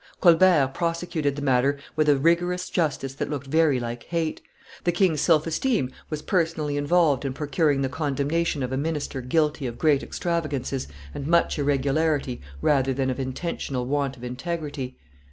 Colbert prosecuted the matter with a rigorous justice that looked very like hate; the king's self esteem was personally involved in procuring the condemnation of a minister guilty of great extravagances and much irregularity rather than of intentional want of integrity.